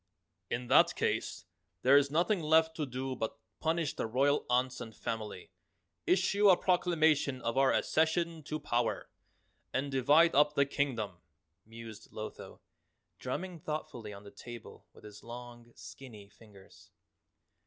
"In that case there is nothing left to do but punish the royal aunts and family, issue a proclamation of our accession to power, and divide up the Kingdom," mused Lotho, drumming thoughtfully on the table with his long skinny fingers.